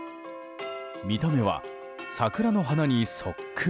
見た目は桜の花にそっくり。